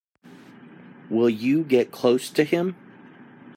Will you get close to him?